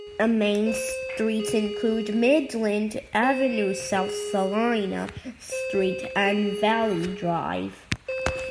The main streets include Midland Avenue, South Salina Street and Valley Drive.